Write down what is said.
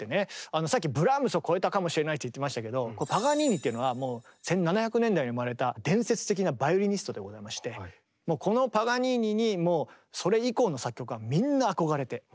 さっき「ブラームスを超えたかもしれない」って言ってましたけどパガニーニっていうのはもう１７００年代に生まれたこのパガニーニにそれ以降の作曲家はみんな憧れて。